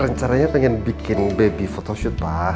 rencananya pengen bikin baby photoshot pak